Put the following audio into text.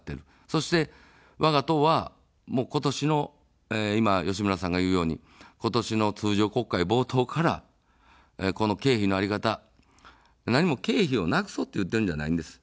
そして、わが党は今年の、いま吉村さんが言うように今年の通常国会冒頭からこの経費の在り方、何も経費をなくそうと言っているわけではないんです。